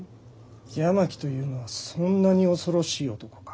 八巻というのはそんなに恐ろしい男か？